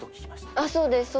あっそうですそうです。